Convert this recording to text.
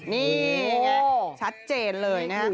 นี่ไงชัดเจนเลยนะครับ